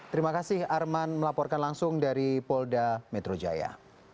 terima kasih arman melaporkan langsung dari polda metro jaya